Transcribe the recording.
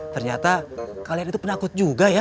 ternyata kalian itu penakut juga ya